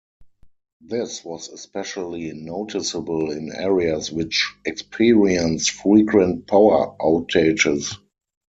This was especially noticeable in areas which experienced frequent power outages.